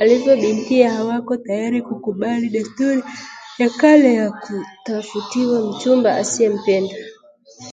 alivyo bintiye hawako tayari kukubali desturi ya kale ya kutafutiwa mchumba asiyempenda